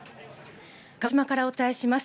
鹿児島からお伝えします。